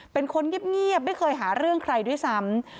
เป็นคนเงียบไม่เคยหาเรื่องใครด้วยซ้ำ